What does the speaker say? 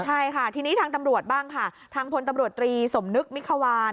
ใช่ค่ะทีนี้ทางตำรวจบ้างค่ะทางพลตำรวจตรีสมนึกมิควาน